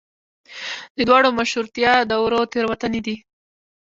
د دواړو مشروطیه دورو تېروتنې دي.